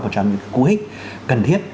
một trong những cú hích cần thiết